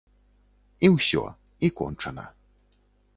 І ўсё, і кончана.